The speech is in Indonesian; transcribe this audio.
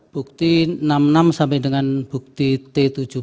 bukti enam puluh enam sampai dengan bukti t tujuh puluh